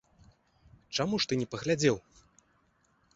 Чаму ж ты не паглядзеў?